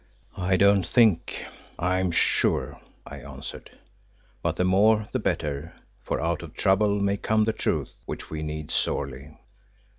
"I don't think, I am sure," I answered; "but the more the better, for out of trouble may come the truth, which we need sorely."